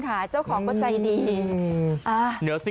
ตุนตุนตุนตุนตุนตุน